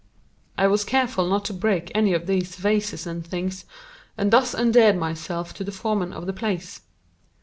I was careful not to break any of these vases and things, and thus endeared myself to the foreman of the place.